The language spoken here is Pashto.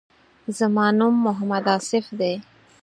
زما نوم محمد آصف دی.